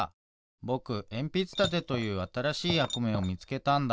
ぼくえんぴつたてというあたらしいやくめをみつけたんだ。